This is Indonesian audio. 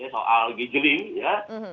soal gijeling ya